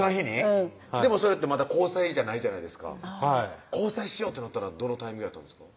うんでもそれってまだ交際じゃないじゃないですか交際しようってなったのはどのタイミングやったんですか？